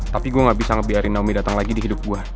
tapi gue gak bisa ngebiarin naomi datang lagi di hidup gua